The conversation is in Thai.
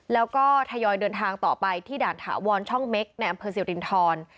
แล้วก็ทยอยเดินทางต่อไปที่ด่านถาวรช่องเม็กในอำเภอสิรินทร